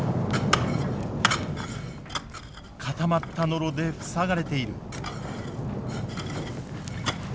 固まったノロで塞がれている。